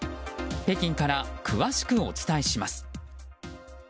北京から詳しくお伝えします。